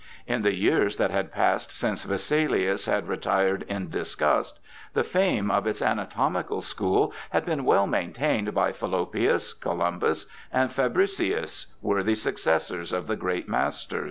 In the years that had passed since Vesalius had retired in disgust, the fame of its anatomical school had been well maintained by Fallopius, Columbus, and Fabricius, worthy succes sors of the great master.